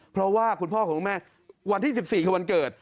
เพราะว่าคุณพ่อของคุณแม่วันที่๑๔คือวันเกิด